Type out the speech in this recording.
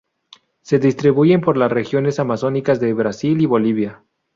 Se distribuye por las regiones amazónicas de Brasil y Bolivia.